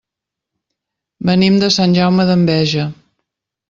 Venim de Sant Jaume d'Enveja.